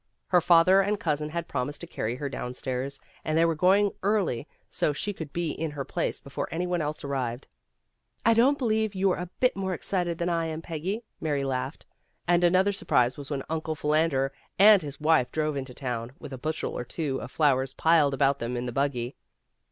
Her father and cousin had promised to carry her downstairs, and they were going early so she could be in her place before any one else arrived. "I don't believe you're a bit more excited than I am, Peggy," Mary laughed. And another surprise was when Uncle Philander and his wife drove into town, with a bushel or two of flowers piled about them in the buggy.